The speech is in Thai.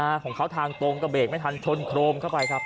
ของเขาทางตรงก็เบรกไม่ทันชนโครมเข้าไปครับ